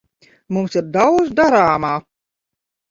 Mums ir daudz darāmā.